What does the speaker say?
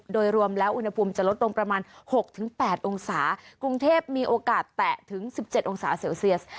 โดยรวมแล้วอุณหภูมิจะลดตรงประมาณหกถึงแปดองศากรุงเทพมีโอกาสแตะถึงสิบเจ็ดองศาเซลเซียส